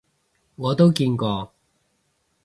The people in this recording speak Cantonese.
我都見過